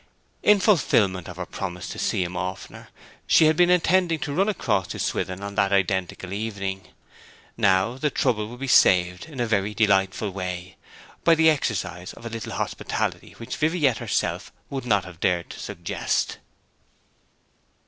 In fulfilment of her promise to see him oftener she had been intending to run across to Swithin on that identical evening. Now the trouble would be saved in a very delightful way, by the exercise of a little hospitality which Viviette herself would not have dared to suggest.